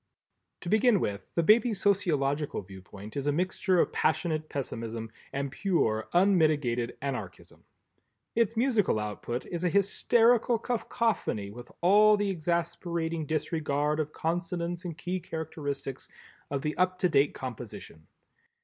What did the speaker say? To begin with, the baby's sociological viewpoint is a mixture of passionate pessimism and pure unmitigated Anarchism. Its musical output is a hysterical cacophony with all the exasperating disregard of consonance and key characteristic of the up to date composition.